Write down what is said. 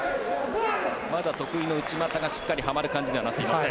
まだ得意の内股がしっかりはまる感じにはなっていません。